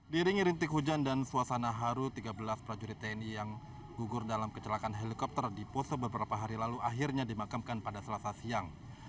diringi rintik hujan dan suasana haru tiga belas prajurit tni yang gugur dalam kecelakaan helikopter di pose beberapa hari lalu akhirnya dimakamkan pada selasa siang